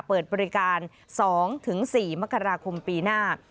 เปิดบริการ๒๔มกราคมปีหน้า